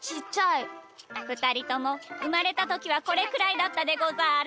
ふたりともうまれたときはこれくらいだったでござる。